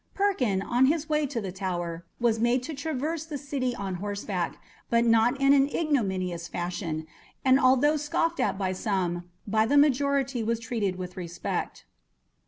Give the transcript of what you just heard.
Perkin, on his way to the Tower, was made to traverse the city on horseback, but not in any ignominious fashion; and although scoffed at by some, by the majority was treated with respect.